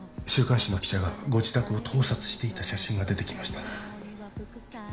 週刊誌の記者がご自宅を盗撮していた写真が出てきました